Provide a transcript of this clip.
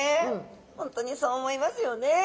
本当にそう思いますよね。